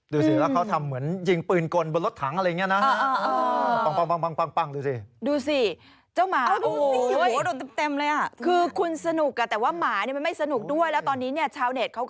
ดูสิแล้วเขาทำเหมือนยิงปืนกลบนรถถังอะไรอย่างนี้นะฮะ